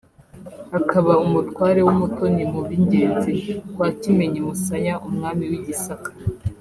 akaba umutware w’umutoni mu b’ingenzi kwa Kimenyi Musaya umwami w’i Gisaka